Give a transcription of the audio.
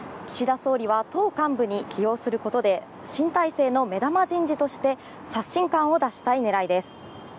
岸田総理は党幹部に起用することで新体制の目玉人事として刷新感を出したい狙いです。